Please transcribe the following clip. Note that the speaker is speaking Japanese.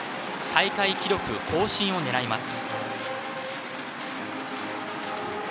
大会記録更新を狙います。